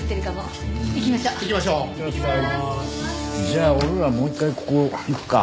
じゃあ俺らはもう一回ここ行くか。